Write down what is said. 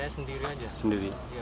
saya sendiri saja